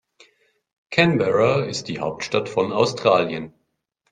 Canberra ist die Hauptstadt von Australien.